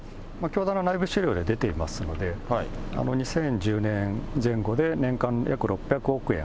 教団の内部資料で出ていますので、２０１０年、前後で年間約６００億円。